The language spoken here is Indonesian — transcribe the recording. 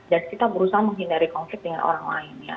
dan kita berusaha menghindari konflik dengan orang lain ya